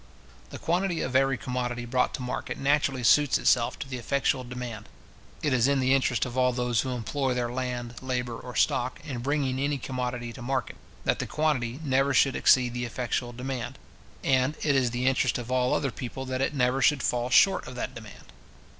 The quantity of every commodity brought to market naturally suits itself to the effectual demand. It is the interest of all those who employ their land, labour, or stock, in bringing any commodity to market, that the quantity never should exceed the effectual demand; and it is the interest of all other people that it never should fall short of that demand.